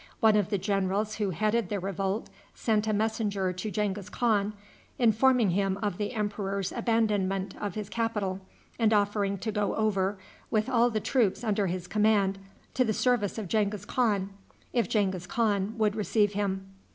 One of the generals who headed the revolt sent a messenger to Genghis Khan informing him of the emperor's abandonment of his capital, and offering to go over, with all the troops under his command, to the service of Genghis Khan if Genghis Khan would receive him.